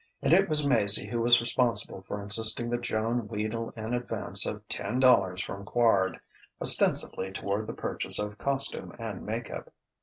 And it was Maizie who was responsible for insisting that Joan wheedle an advance of ten dollars from Quard, ostensibly toward the purchase of costume and make up.